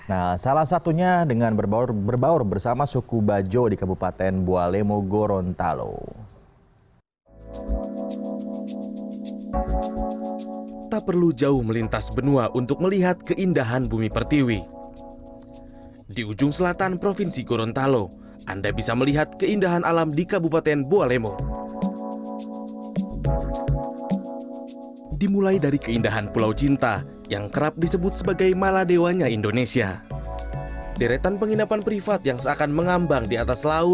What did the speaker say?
nah salah satunya dengan berbaur bersama suku bajo di kabupaten bualemo gorontalo